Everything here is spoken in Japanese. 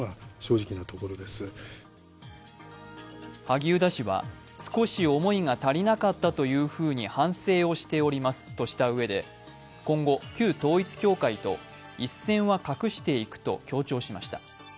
萩生田氏は少し思いが足りなかったというふうに反省をしておりますとしたうえで今後、旧統一教会と一線は画していくと強調しました。